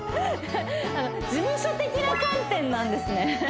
事務所的な観点なんですね